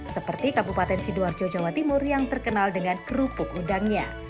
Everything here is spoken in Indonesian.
seperti kabupaten sidoarjo jawa timur yang terkenal dengan kerupuk udangnya